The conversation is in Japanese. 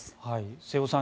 瀬尾さん